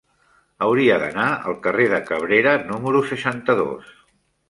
Hauria d'anar al carrer de Cabrera número seixanta-dos.